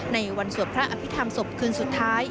ในวันสวดพระอภิษฐรรมศพคืนสุดท้าย